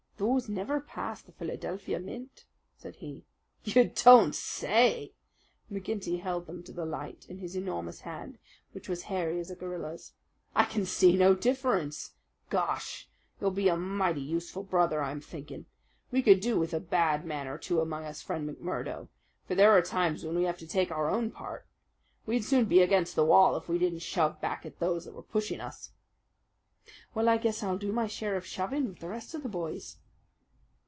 "Those never passed the Philadelphia mint," said he. "You don't say!" McGinty held them to the light in his enormous hand, which was hairy as a gorilla's. "I can see no difference. Gar! you'll be a mighty useful brother, I'm thinking! We can do with a bad man or two among us, Friend McMurdo: for there are times when we have to take our own part. We'd soon be against the wall if we didn't shove back at those that were pushing us." "Well, I guess I'll do my share of shoving with the rest of the boys."